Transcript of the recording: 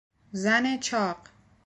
زن چاق